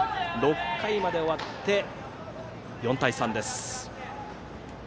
６回まで終わって４対３です。